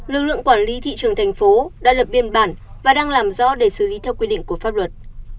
lực lượng quản lý thị trường thành phố đã lập biên bản và đang làm rõ để xử lý theo quy định của pháp luật